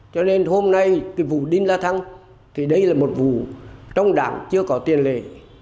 cho nên hôm nay cái vụ đinh la thăng thì đây là một vụ trong đảng chưa có tiền lệ